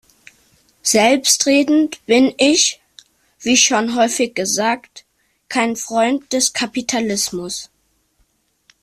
Selbstredend bin ich, wie schon häufig gesagt, kein Freund des Kapitalismus.